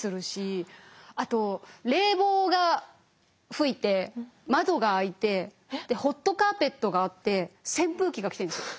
あと冷房が吹いて窓が開いてでホットカーペットがあって扇風機が来てるんですよ。